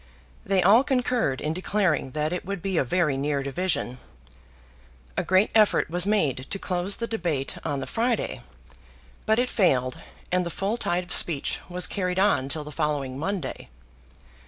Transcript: They all concurred in declaring that it would be a very near division. A great effort was made to close the debate on the Friday, but it failed, and the full tide of speech was carried on till the following Monday.